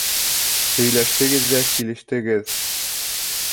Һөйләштегеҙ ҙә килештегеҙ.